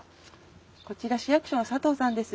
こちら市役所の佐藤さんです。